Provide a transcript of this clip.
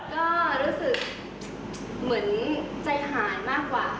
ก็รู้สึกเหมือนใจหายมากกว่า